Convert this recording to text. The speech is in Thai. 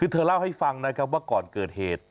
เธอเล่าให้ฟังนะก่อนเกิดเหตุ